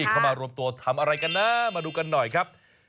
เข้ามารวมตัวทำอะไรกันนะมาดูกันหน่อยครับ